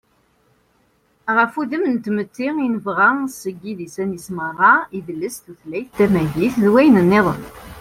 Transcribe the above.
ɣef wudem n tmetti i nebɣa seg yidisan-is meṛṛa: idles, tutlayt, timagit, d wayen-nniḍen